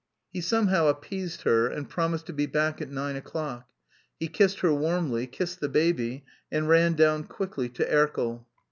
He somehow appeased her and promised to be back at nine o'clock; he kissed her warmly, kissed the baby and ran down quickly to Erkel.